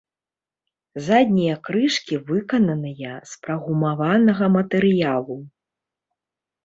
Заднія крышкі выкананыя з прагумаванага матэрыялу.